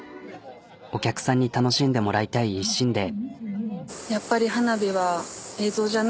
お客さんに楽しんでもらいたい一心で。